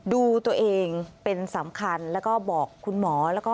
ดูตัวเองเป็นสำคัญแล้วก็บอกคุณหมอแล้วก็